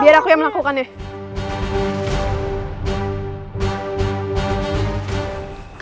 biar aku yang melakukan deh